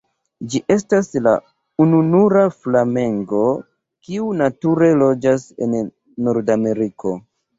Ĝi estas la ununura flamengo kiu nature loĝas en Nordameriko.